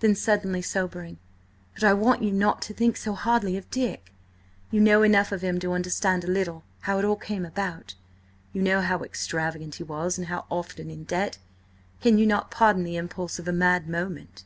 Then suddenly sobering: "But I want you not to think so hardly of Dick. You know enough of him to understand a little how it all came about. You know how extravagant he was and how often in debt–can you not pardon the impulse of a mad moment?"